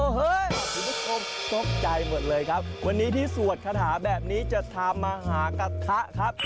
คุณผู้ชมตกใจหมดเลยครับวันนี้ที่สวดคาถาแบบนี้จะทำมาหากระทะครับ